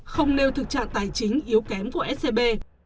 không nêu thực trạng tài chính yếu kém của scb